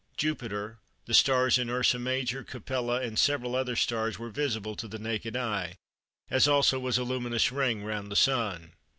Jupiter, the stars in Ursa Major, Capella, and several other stars were visible to the naked eye, as also was a luminous ring round the Sun.